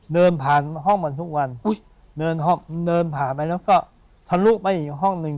เดินผ่านห้องมันทุกวันอุ้ยเดินห้องเดินผ่านไปแล้วก็ทะลุไปอีกห้องหนึ่ง